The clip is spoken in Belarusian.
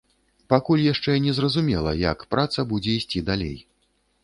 Пакуль яшчэ не зразумела, як праца будзе ісці далей.